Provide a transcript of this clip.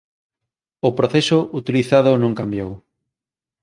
O proceso utilizado non cambiou.